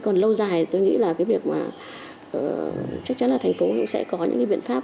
còn lâu dài tôi nghĩ là cái việc mà chắc chắn là thành phố cũng sẽ có những cái biện pháp